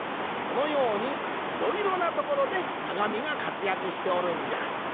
このようにいろいろなところでかがみがかつやくしておるんじゃ。